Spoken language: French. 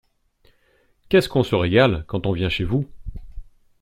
Qu’est-ce qu’on se régale quand on vient chez vous!